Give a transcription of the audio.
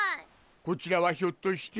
こちらはひょっとして。